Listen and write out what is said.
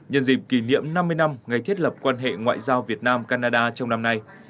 nhân dịp kỷ niệm năm mươi năm ngày thiết lập quan hệ ngoại giao việt nam canada trong năm nay